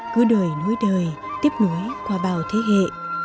cứ đời núi đời tiếp nối qua bao thế hệ